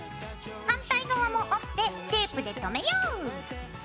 反対側も折ってテープでとめよう。